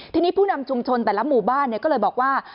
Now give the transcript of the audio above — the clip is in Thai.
ทีนี้ผู้นำชุมชนแต่ละหมู่บ้านก็เลยบอกว่า